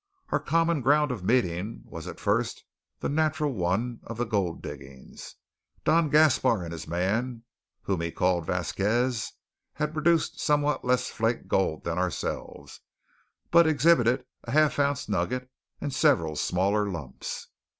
Our common ground of meeting was at first the natural one of the gold diggings. Don Gaspar and his man, whom he called Vasquez, had produced somewhat less flake gold than ourselves, but exhibited a half ounce nugget and several smaller lumps.